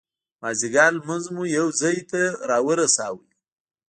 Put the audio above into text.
مازدیګر لمونځ مو یو ځای ته را ورساوه.